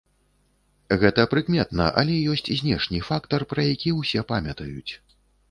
Гэта прыкметна, але ёсць знешні фактар, пра які ўсе памятаюць.